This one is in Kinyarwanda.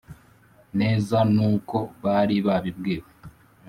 neza n uko bari babibwiwe